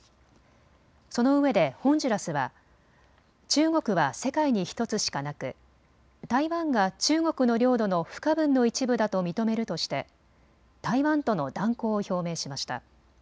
そのうえでホンジュラスは中国は世界に１つしかなく台湾が中国の領土の不可分の一部だと認めるとして台湾との断交を表明しました。